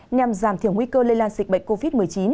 nhằm giảm thiểu nguy cơ lây lan dịch bệnh covid một mươi chín